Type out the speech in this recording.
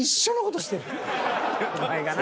お前がな。